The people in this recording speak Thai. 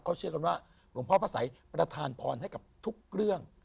เขาเชื่อกันว่าหลวงพ่อพระสัยประธานพรให้กับทุกเรื่อง